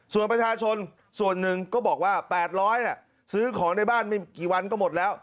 ส่วนประชาชนส่วนหนึ่งก็บอกว่า๘๐๐ซื้อของในบ้านไม่กี่วันก็หมดแล้ว